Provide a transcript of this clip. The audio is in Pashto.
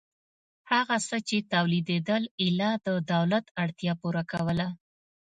هغه څه چې تولیدېدل ایله د دولت اړتیا پوره کوله